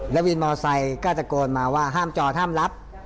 แล้ววินมอเตอร์ไซต์ก็จะโกนมาว่าห้ามจอดห้ามรับ